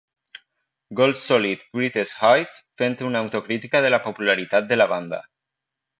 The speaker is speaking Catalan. "Gold Solid - Greatest Hits" fent una autocrítica de la popularitat de la banda.